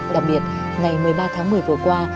đặc biệt ngày một mươi ba tháng một mươi vừa qua